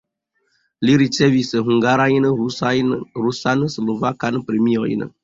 Li ricevis hungarajn rusan, slovakan premiojn.